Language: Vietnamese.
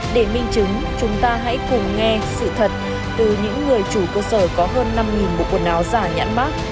để minh chứng chúng ta hãy cùng nghe sự thật từ những người chủ cơ sở có hơn năm bộ quần áo giả nhãn mát